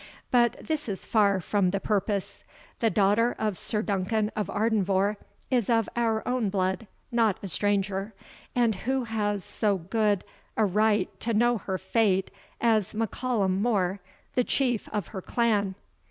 But this is far from the purpose. The daughter of Sir Duncan of Ardenvohr is of our own blood, not a stranger; and who has so good a right to know her fate as M'Callum More, the chief of her clan?"